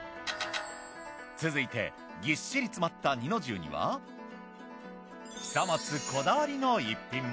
続いてぎっしり詰まった弐の重には久松こだわりの逸品も。